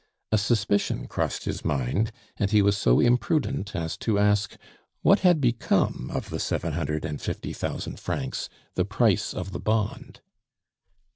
A suspicion crossed his mind, and he was so imprudent as to ask what had become of the seven hundred and fifty thousand francs, the price of the bond.